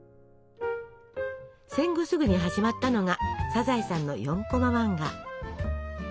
戦後すぐに始まったのが「サザエさん」の４コマ漫画。